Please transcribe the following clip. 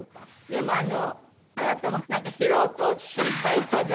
でもあなたもなんか疲労と心配とで。